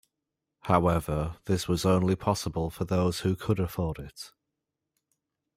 However, this was only possible for those who could afford it.